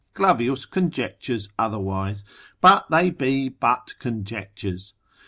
Clavius conjectures otherwise, but they be but conjectures.